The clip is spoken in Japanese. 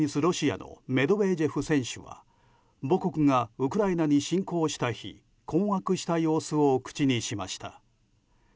ロシアのメドベージェフ選手は母国がウクライナに侵攻した日困惑した様子を口にしました。